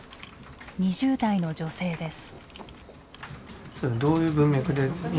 ２０代の女性です。